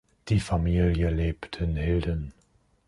Die Familie lebt in Hilden.